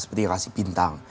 seperti rahasi bintang